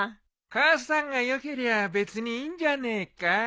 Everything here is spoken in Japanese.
母さんがよけりゃ別にいいんじゃねえか？